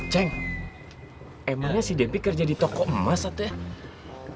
ceng emangnya si debbie kerja di toko emas atau ya